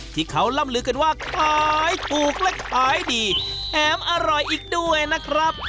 ที่เขาล่ำลือกันว่าขายถูกและขายดีแถมอร่อยอีกด้วยนะครับ